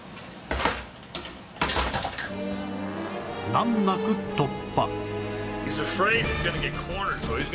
難なく突破